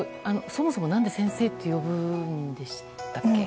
そもそも何で「先生」って呼ぶんでしたっけ？